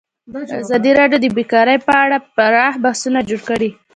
ازادي راډیو د بیکاري په اړه پراخ بحثونه جوړ کړي.